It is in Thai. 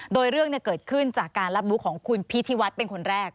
โดยเรื่องเกิดขึ้นจากการรับรู้ของคุณพิธีวัฒน์เป็นคนแรก